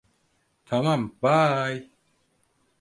Tamam, bye.